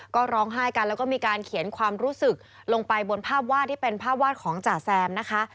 ก็ร้องไห้กันแล้วก็มีการเขียนความรู้สึกลงไปบนภาพวาดที่เป็นภาพวาดของจ่าแซมนะคะ